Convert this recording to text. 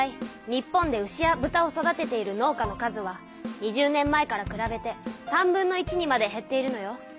日本で牛や豚を育てている農家の数は２０年前からくらべて３分の１にまでへっているのよ。